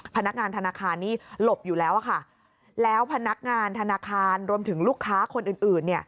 พนักงานธนาคารนี่หลบอยู่แล้วค่ะแล้วพนักงานธนาคารรวมถึงลูกค้าคนอื่น